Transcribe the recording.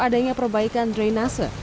adanya perbaikan drainase